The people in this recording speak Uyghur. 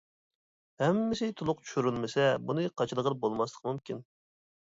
ھەممىسى تۇلۇق چۈشۈرۈلمىسە بۇنى قاچىلىغىلى بولماسلىقى مۇمكىن.